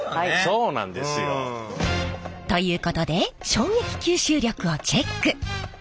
そうなんですよ。ということで衝撃吸収力をチェック。